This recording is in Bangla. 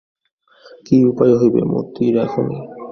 কী উপায় হইবে মতির তখন?